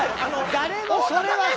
誰もそれはさ。